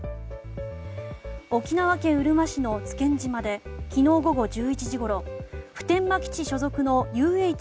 沖縄県うるま市の津堅島で昨日午後１１時ごろ普天間基地所属のＵＨ